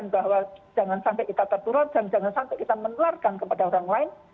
jangan sampai kita menelarkan kepada orang lain